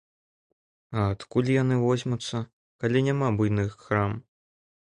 А адкуль яны возьмуцца, калі няма буйных крам?